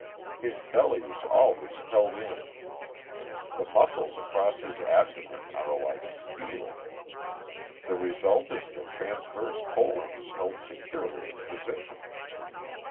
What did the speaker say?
His belly is always held in. The muscles across his abdomen are like steel. The result is the transverse colon is held securely in position.